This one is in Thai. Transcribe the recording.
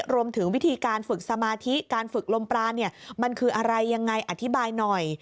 รวมถึงวิธีการฝึกสมาธิการฝึกลมปลาเนี่ยมันคืออะไรยังไงอธิบายหน่อย